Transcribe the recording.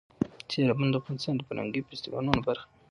سیلابونه د افغانستان د فرهنګي فستیوالونو برخه ده.